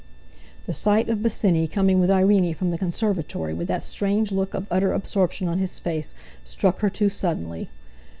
The sight of Bosinney coming with Irene from the conservatory, with that strange look of utter absorption on his face, struck her too suddenly.